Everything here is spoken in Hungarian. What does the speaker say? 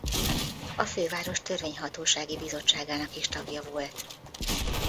A főváros törvényhatósági bizottságának is tagja volt.